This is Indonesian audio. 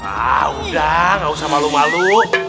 ah udah gak usah malu malu